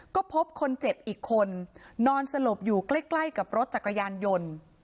ก็พบคนเจ็บอีกคนนอนสลบอยู่ใกล้กับรถจักรยานยนต์